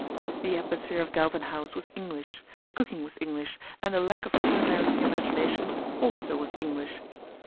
The atmosphere of Galvin House was English, the cooking was English, and the lack of culinary imagination also was English.